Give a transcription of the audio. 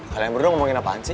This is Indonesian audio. kalian berdua ngomongin apaan sih